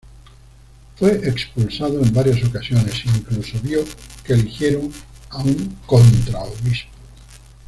Fue expulsado en varias ocasiones e incluso vio que eligieron a un contra-obispo.